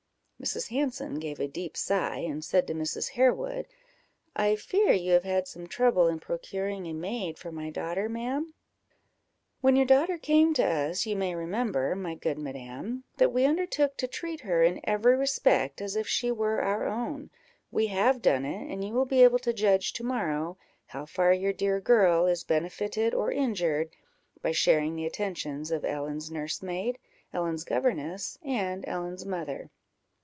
Mrs. Hanson gave a deep sigh, and said to Mrs. Harewood "I fear you have had some trouble in procuring a maid for my daughter, ma'am?" "When your daughter came to us, you may remember, my good madam, that we undertook to treat her in every respect as if she were our own; we have done it, and you will be able to judge to morrow how far your dear girl is benefited or injured by sharing the attentions of Ellen's nursemaid, Ellen's governess, and Ellen's mother."